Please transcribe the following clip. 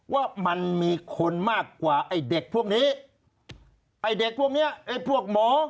ว่ามันมีคนมากกว่าไอ้เด็กพวกนี้ไอ้เด็กพวกเนี้ยไอ้พวกหมอ